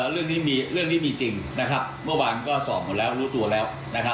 เรื่องนี้มีจริงเมื่อวานก็สอบหมดแล้วรู้ตัวแล้ว